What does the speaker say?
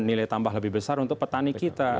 nilai tambah lebih besar untuk petani kita